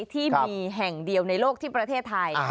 ที่มีแห่งเดียวในโลกที่ประเทศไทย